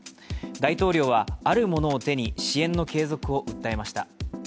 大統領はあるものを手に支援の継続を訴えました。